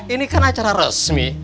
ini kan acara resmi